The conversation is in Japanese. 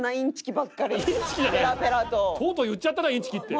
とうとう言っちゃったなインチキって。